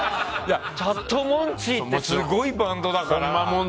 チャットモンチーってすごいバンドだから。